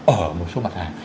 ở một số mặt hàng